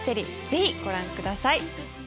ぜひご覧ください。